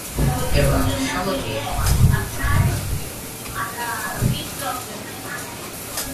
এরা সহজে পানিতে সাঁতার কাটতে ও ভেসে থাকতে পারে।